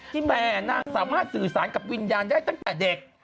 แต่นางสามารถสื่อสารกับวิญญาณได้ตั้งแต่เด็ก